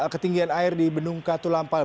ketinggian air di benung katulampabogor